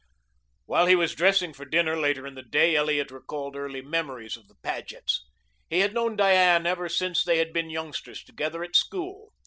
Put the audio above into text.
While he was dressing for dinner later in the day, Elliot recalled early memories of the Pagets. He had known Diane ever since they had been youngsters together at school.